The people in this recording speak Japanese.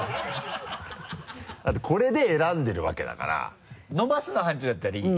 だってこれで選んでるわけだから伸ばすのはんちゅうだったらいい？